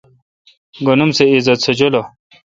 گن اُم سہ عزت سہ جولہ۔